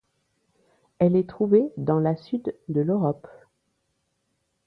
Elle est trouvée dans la sud de l'Europe.